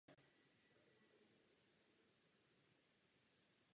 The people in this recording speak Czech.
Pak přesídlil do Varšavy a věnoval se literatuře.